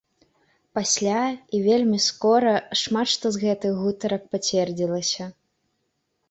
Пасля, і вельмі скора, шмат што з гэтых гутарак пацвердзілася.